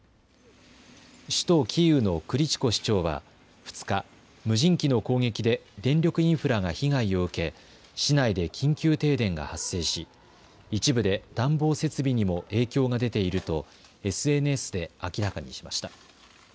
首都キーウのクリチコ市長は、２日、無人機の攻撃で電力インフラが被害を受け、市内で緊急停電が発生し、一部で暖房設備にも影響が出ているとＳＮＳで明らかにしました。